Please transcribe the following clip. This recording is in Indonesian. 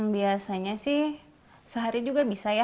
biasanya sih sehari juga bisa ya